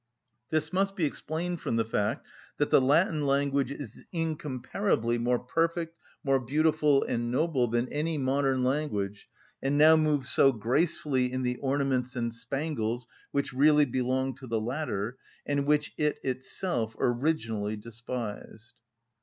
This must be explained from the fact that the Latin language is incomparably more perfect, more beautiful and noble, than any modern language, and now moves so gracefully in the ornaments and spangles which really belong to the latter, and which it itself originally despised.